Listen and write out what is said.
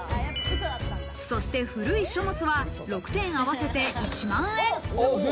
そして古い書物は６点合わせて１万円。